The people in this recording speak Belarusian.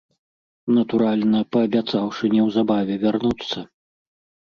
Натуральна, паабяцаўшы неўзабаве вярнуцца.